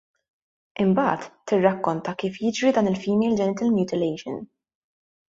Imbagħad, tirrakkonta kif jiġri dan il-female genital mutilation.